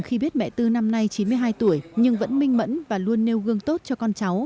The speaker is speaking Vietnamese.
khi biết mẹ tư năm nay chín mươi hai tuổi nhưng vẫn minh mẫn và luôn nêu gương tốt cho con cháu